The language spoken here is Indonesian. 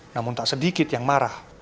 namun tak sedikit yang marah